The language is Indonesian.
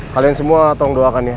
kalian semua tolong doakan ya